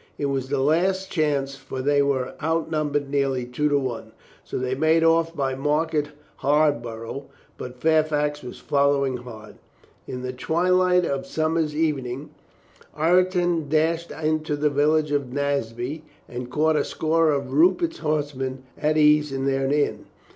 It was the last chance, for they were out numbered nearly two to one. So they made off by Market Harborough. But Fairfax was following hard. In the twilight of a summer's evening, Ireton dashed into the village of Naseby and caught a score of Rupert's horsemen at ease in their inn.